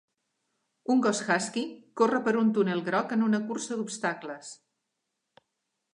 un gos husky corre per un túnel groc en una cursa d'obstacles.